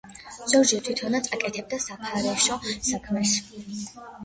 ზოგჯერ თვითონაც აკეთებდა საფარეშო საქმეს.